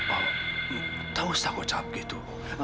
oh tak usah kacau gitu